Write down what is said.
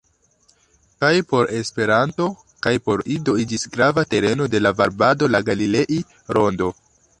Kaj por Esperanto, kaj por Ido iĝis grava tereno de la varbado la Galilei-Rondo.